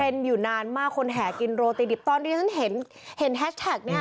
เป็นเทรนด์อยู่นานมากคนแห่กินโรตีดิบตอนนี้ฉันเห็นแฮชแท็กนี้